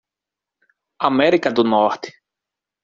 América do Norte.